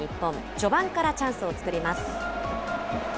序盤からチャンスを作ります。